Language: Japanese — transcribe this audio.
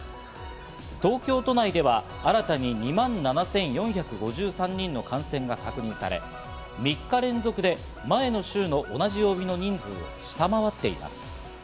東京都内では新たに２万７４５３人の感染が確認され、３日連続で前の週の同じ曜日の人数を下回っています。